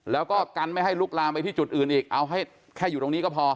แล้วก็กันไม่ให้ลุกลามไปที่จุดอื่นอีกแต่ได้ผ่าไว้แค่ตรงนี้ก็พอ